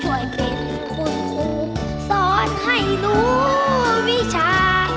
ช่วยเป็นคุณครูสอนให้รู้วิชา